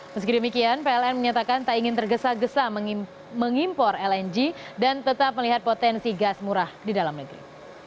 meski demikian pln menyatakan tak ingin tergesa gesa mengimpor lng dan tetap melihat potensi gas murah di dalam negeri